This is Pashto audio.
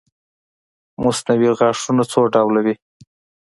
مصنوعي غاښونه څو ډوله وي